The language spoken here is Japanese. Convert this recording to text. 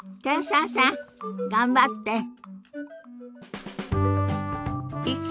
寺澤さん頑張って。